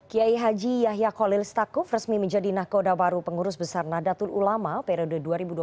kiai haji yahya kholil stakuf resmi menjadi nahkoda baru pengurus besar nadatul ulama periode dua ribu dua puluh satu dua ribu dua puluh enam